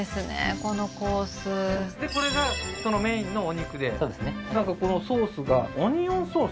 このコースでこれがメインのお肉でなんかこのソースがオニオンソース？